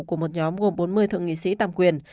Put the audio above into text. của một nhóm gồm bốn mươi thượng nghị sĩ tam quyền